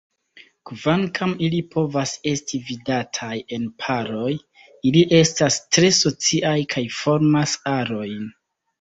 Kvankam ili povas esti vidataj en paroj, ili estas tre sociaj kaj formas arojn.